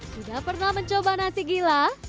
sudah pernah mencoba nasi gila